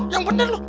yang bener lu